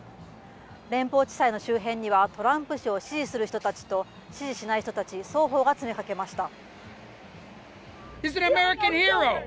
連邦地裁の周辺にはトランプ氏を支持する人たちと支持しない人たち双方が詰めかけました。